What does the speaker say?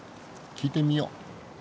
聞いてみよう。